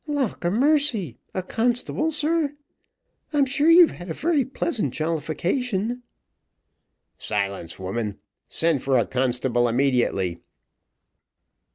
"Lauk a mercy! a constable, sir? I'm sure you've had a very pleasant jollification." "Silence, woman; send for a constable immediately."